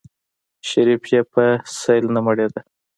شريف يې په سيل نه مړېده.